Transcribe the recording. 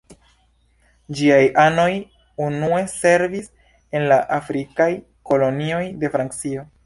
Ĝiaj anoj unue servis en la afrikaj kolonioj de Francio.